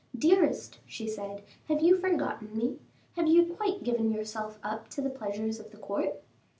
"Dearest," she said, "have you forgotten me? Have you quite given yourself up to the pleasures of the court?"